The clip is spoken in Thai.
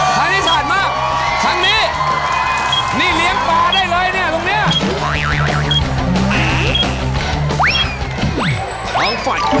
ครั้งนี้สะอาดมาก